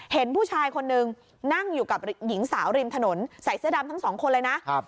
เห็นผู้ชายคนนึงนั่งอยู่กับหญิงสาวริมถนนใส่เสื้อดำทั้งสองคนเลยนะ